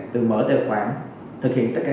từ mở tài khoản thực hiện tất cả